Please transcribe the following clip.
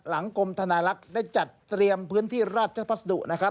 กรมธนาลักษณ์ได้จัดเตรียมพื้นที่ราชพัสดุนะครับ